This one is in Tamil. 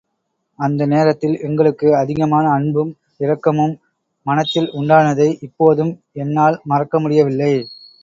அந்த நேரத்தில் எங்களுக்கு அதிகமான அன்பும், இரக்கமும் மனத்தில் உண்டானதை இப்போதும் என்னால் மறக்க முடியவில்லை.